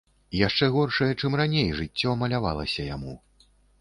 Яшчэ горшае, чым раней, жыццё малявалася яму.